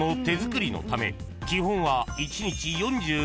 ［基本は］